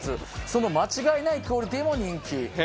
その間違いないクオリティーも人気。